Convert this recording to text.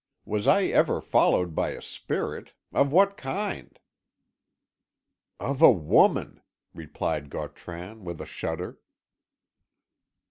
Was I ever followed by a spirit? Of what kind?" "Of a woman," replied Gautran with a shudder.